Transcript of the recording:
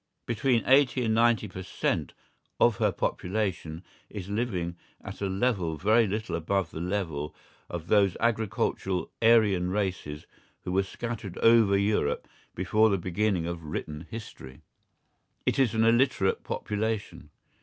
Between eighty and ninety per cent. of her population is living at a level very little above the level of those agricultural Aryan races who were scattered over Europe before the beginning of written history. It is an illiterate population.